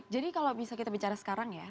jadi kalau bisa kita bicara sekarang ya